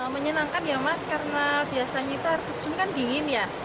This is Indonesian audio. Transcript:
menyenangkan ya mas karena biasanya itu air terjun kan dingin ya